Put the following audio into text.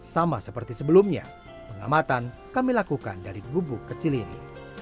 sama seperti sebelumnya pengamatan kami lakukan dari gubuk kecil ini